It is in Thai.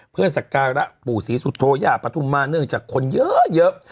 เพื่อสักการะปู่ศรีสุโธย่าปฐุมมาเนื่องจากคนเยอะ